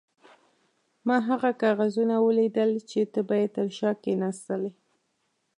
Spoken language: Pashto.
ما هغه کاغذونه ولیدل چې ته به یې تر شا کښېناستلې.